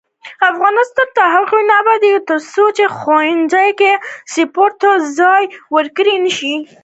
افغانستان تر هغو نه ابادیږي، ترڅو په ښوونځیو کې سپورت ته ځای ورکړل نشي.